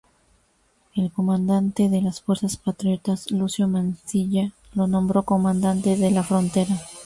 El comandante de las fuerzas patriotas Lucio Mancilla lo nombró comandante de la frontera.